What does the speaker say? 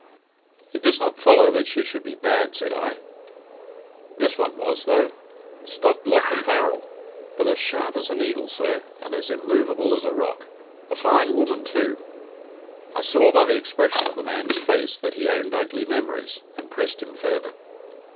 "It does not follow that she should be bad," said I. "This one was, though stock, lock, and barrel. But as sharp as a needle, sir, and as immovable as a rock. A fine woman, too." I saw by the expression of the man's face that he owned ugly memories, and pressed him further.